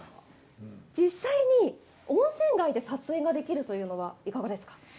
実際に温泉街で撮影ができるというのはいかがですか。